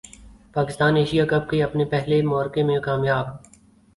Pakistan Asia cup کے اپنے پہلے معرکے میں کامیاب